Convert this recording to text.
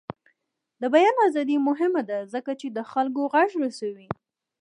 د بیان ازادي مهمه ده ځکه چې د خلکو غږ رسوي.